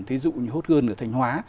thí dụ như hốt gơn ở thành hóa